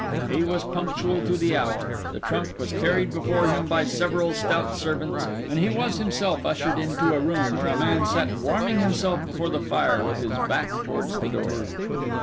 He was punctual to the hour; the trunk was carried before him by several stout servants; and he was himself ushered into a room, where a man sat warming himself before the fire with his back towards the door.